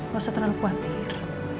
gak usah tenang khawatir